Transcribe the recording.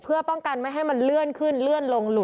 เพื่อป้องกันไม่ให้มันเลื่อนขึ้นเลื่อนลงหลุ